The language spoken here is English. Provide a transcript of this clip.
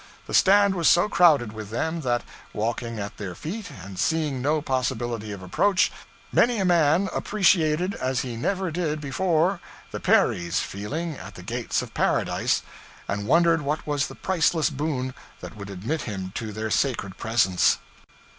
The stand was so crowded with them that, walking at their feet and seeing no possibility of approach, many a man appreciated as he never did before the Peri's feeling at the Gates of Paradise, and wondered what was the priceless boon that would admit him to their sacred presence.